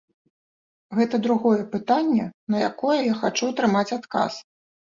Гэта другое пытанне, на якое я хачу атрымаць адказ.